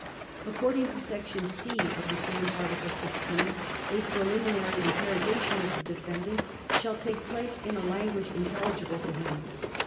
According to Section (c) of the same Article 16 a preliminary interrogation of the defendant shall take place in a language intelligible to him.